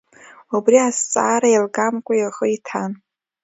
Убри азҵаара еилгамкәа ихы иҭан.